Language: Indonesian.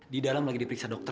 di dalam lagi diperiksa dokter